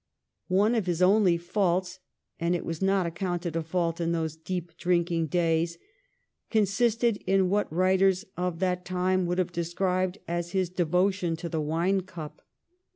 One of his only faults — and it was not accounted a fault in those deep drinking days — consisted in what writers of that time would have described as his de votion to the wine cup.